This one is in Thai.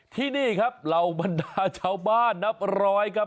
ที่นี่ครับรับบรรดาเฉาบ้านนับร้อยครับ